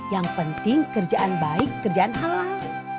yang penting kerjaan baik kerjaan halal